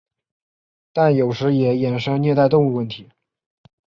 但有时也衍生虐待动物问题。